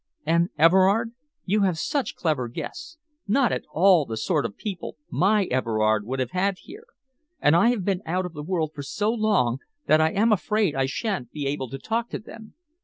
And, Everard, you have such clever guests, not at all the sort of people my Everard would have had here, and I have been out of the world for so long, that I am afraid I sha'n't be able to talk to them.